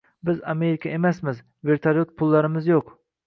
Biz Amerika emasmiz, “vertolyot pullarimiz” yoʻq.